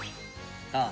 ああ。